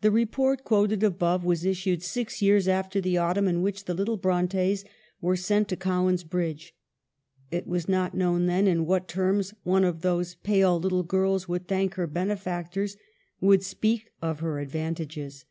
The report quoted above was issued six years after the autumn in which the little Brontes were sent to Cowan's Bridge ; it was not known then in what terms one of those pale little girls would thank her benefactors, would speak of her ad vantages.